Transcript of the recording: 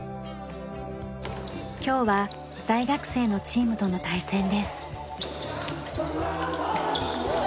今日は大学生のチームとの対戦です。